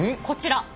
こちら。